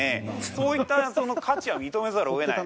そういったその価値は認めざるを得ない。